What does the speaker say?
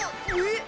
えっ！？